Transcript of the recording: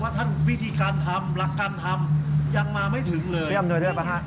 ว่าท่านวิธีการทำหลักการทำยังมาไม่ถึงเลย